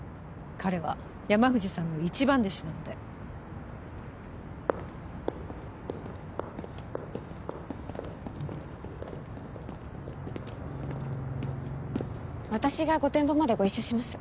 彼は山藤さんの一番弟子なので私が御殿場までご一緒します